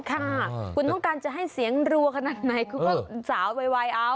ค่ะคุณต้องการจะให้เสียงรัวขนาดไหนคุณก็สาวไวเอา